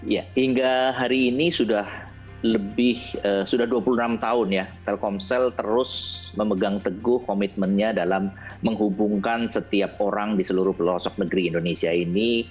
ya hingga hari ini sudah lebih sudah dua puluh enam tahun ya telkomsel terus memegang teguh komitmennya dalam menghubungkan setiap orang di seluruh pelosok negeri indonesia ini